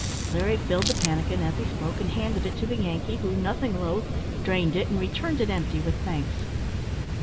Larry filled the pannikin as he spoke, and handed it to the Yankee, who, nothing loth, drained it, and returned it empty, with thanks.